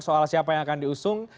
soal siapa yang akan diusung